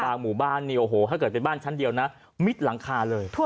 หมู่บ้านเนี่ยโอ้โหถ้าเกิดเป็นบ้านชั้นเดียวนะมิดหลังคาเลย